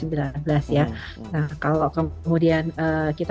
nah kalau kemudian kita